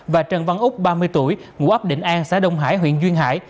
và trần văn úc ba mươi tuổi ngụ ấp định an xã đông hải huyện duyên hải